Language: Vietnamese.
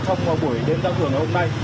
trong buổi đêm giao thưởng ngày hôm nay